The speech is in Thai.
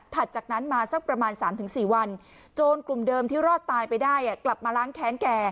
จากนั้นมาสักประมาณ๓๔วันโจรกลุ่มเดิมที่รอดตายไปได้กลับมาล้างแค้นแก